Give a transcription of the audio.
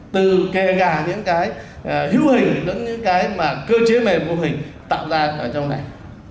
từ kẻ gà những cái hưu hình đến những cái mà cơ chế mềm hưu hình tạo ra ở trong này